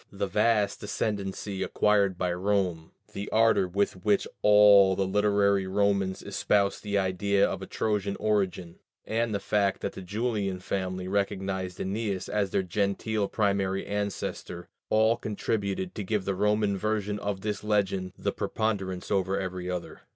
The vast ascendancy acquired by Rome, the ardor with which all the literary Romans espoused the idea of a Trojan origin, and the fact that the Julian family recognized Æneas as their gentile primary ancestor, all contributed to give to the Roman version of this legend the preponderance over every other.